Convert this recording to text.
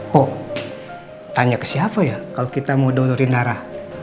pok tanya ke siapa ya kalau kita mau dolorin darah